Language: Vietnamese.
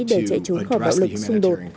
để chạy trốn khỏi bạo lực xung đột